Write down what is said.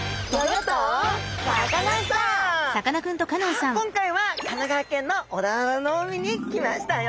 さあ今回は神奈川県の小田原の海に来ましたよ。